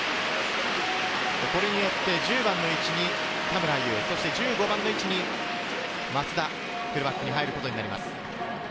これによって１０番の位置に田村優、１５番の位置に松田、フルバックに入ることになります。